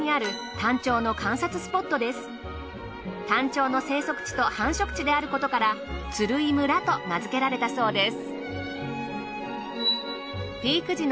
タンチョウの生息地と繁殖地であることから鶴居村と名付けられたそうです。